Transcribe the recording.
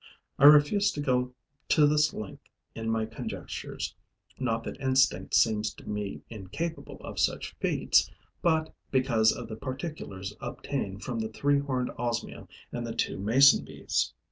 I refuse to go to this length in my conjectures, not that instinct seems to me incapable of such feats, but because of the particulars obtained from the three horned Osmia and the two mason bees.